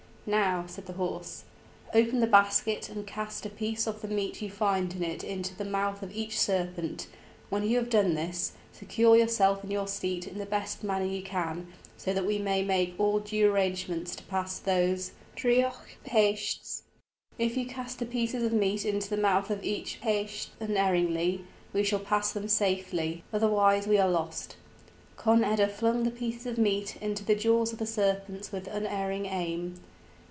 "Now," said the horse, "open the basket and cast a piece of the meat you find in it into the mouth of each serpent; when you have done this, secure yourself in your seat in the best manner you can, so that we may make all due arrangements to pass those draoidheacht peists. If you cast the pieces of meat into the mouth of each peist unerringly, we shall pass them safely, otherwise we are lost." Conn eda flung the pieces of meat into the jaws of the serpents with unerring aim.